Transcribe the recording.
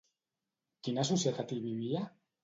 Quina societat hi vivia?